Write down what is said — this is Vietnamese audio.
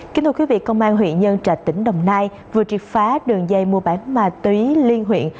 kính thưa quý vị công an huyện nhân trạch tỉnh đồng nai vừa triệt phá đường dây mua bán ma túy liên huyện